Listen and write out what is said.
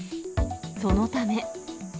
そのため。